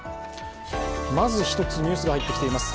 まず１つニュースが入ってきています。